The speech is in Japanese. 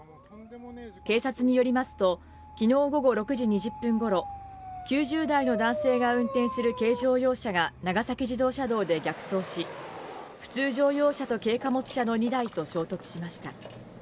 警察によりますと昨日午後６時２０分ごろ９０代の男性が運転する軽乗用車が長崎自動車道で逆走し普通乗用車と軽貨物車の２台と衝突しました。